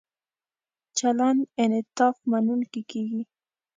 چلند انعطاف مننونکی کیږي.